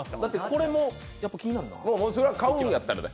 これも気になるな。